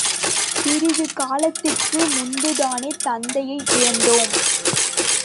சிறிது காலத்துக்கு முன்புதானே தந்தையை இழந்தோம்.